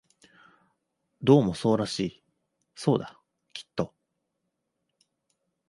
どうもそうらしい、そうだ、きっと